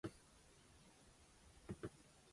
就差当天没直接订